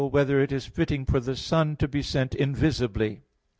5] Whether It Is Fitting for the Son to Be Sent Invisibly?